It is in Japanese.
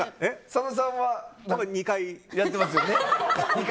佐野さんは２回やってますよね。